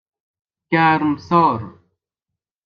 گرمسار